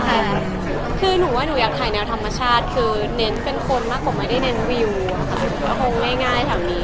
ชิคกี้พายหนูว่าหนูอยากถ่ายแนวธรรมชาติคือเหน็ทเป็นคนมากผมไม่ได้เหน็ทวีวก็คงแง่ถามมี้